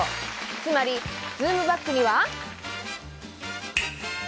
つまりズームバックには。